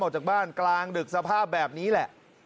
ออกจากบ้านกลางดึกสภาพแบบนี้แหละ